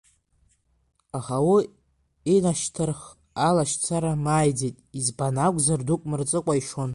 Аха уи инашьҭархх алашьцара мааиӡеит, избан акәзар дук мырҵыкәа ишон.